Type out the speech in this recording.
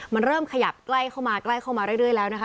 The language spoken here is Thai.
มันเริ่มขยับใกล้เข้ามาใกล้เข้ามาเรื่อยแล้วนะคะ